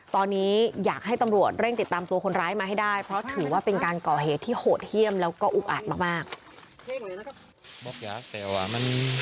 ตอนนี้อยากให้ตำรวจเร่งติดตามตัวคนร้ายมาให้ได้เพราะถือว่าเป็นการก่อเหตุที่โหดเยี่ยมแล้วก็อุกอาจมาก